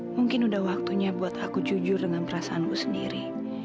mungkin udah waktunya buat aku jujur dengan perasaanku sendiri